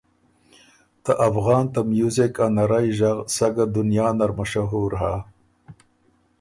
ته افغان ته میوزِک ا نرئ ژغ سَۀ ګه دنیا نر مشهور هۀ